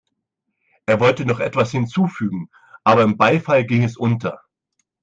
Er wollte noch etwas hinzufügen, aber im Beifall ging es unter.